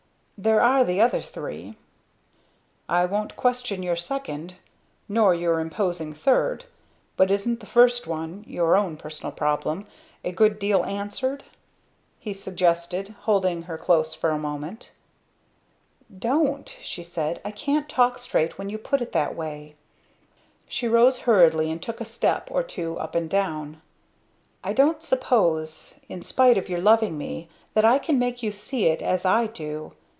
There are the other three." "I won't question your second, nor your imposing third, but isn't the first one your own personal problem a good deal answered?" he suggested, holding her close for a moment. "Don't!" she said. "I can't talk straight when you put it that way." She rose hurriedly and took a step or two up and down. "I don't suppose in spite of your loving me, that I can make you see it as I do.